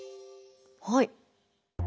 はい。